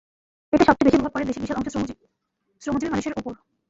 এতে সবচেয়ে বেশি প্রভাব পড়ে দেশের বিশাল অংশের শ্রমজীবী মানুষের ওপর।